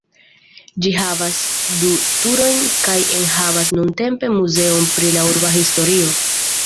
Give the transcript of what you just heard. Ĝi havas du turojn kaj enhavas nuntempe muzeon pri la urba historio.